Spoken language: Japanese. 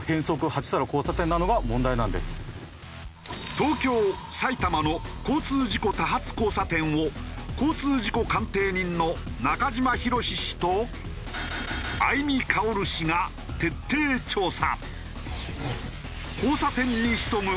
東京埼玉の交通事故多発交差点を交通事故鑑定人の中島博史氏と相見薫氏が徹底調査。